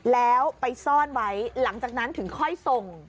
แล้วไปซ่อนไว้หลังจากนั้นถึงค่อยส่ง